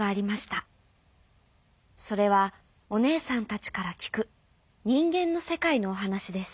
それはおねえさんたちからきくにんげんのせかいのおはなしです。